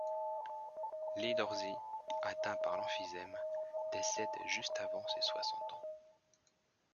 Lee Dorsey, atteint par l'emphysème, décède juste avant ses soixante ans.